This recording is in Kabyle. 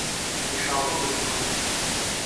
Yecreḍ-d ad t-nxelleṣ.